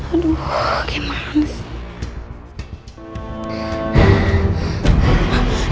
aduh gimana sih